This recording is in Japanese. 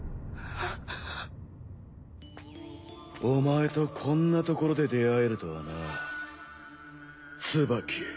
お前とこんなところで出会えるとはなツバキ。